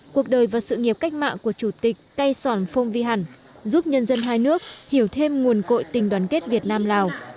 cuộc đời và sự nghiệp cách mạng của chủ tịch cay sòn phong vi hẳn giúp nhân dân hai nước hiểu thêm nguồn cội tình đoàn kết việt nam lào